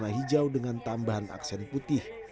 warna hijau dengan tambahan aksen putih